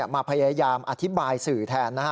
มาพยายามอธิบายสื่อแทนนะฮะ